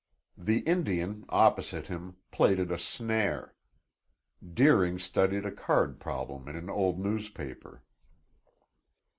The Indian, opposite him, plaited a snare; Deering studied a card problem in an old newspaper.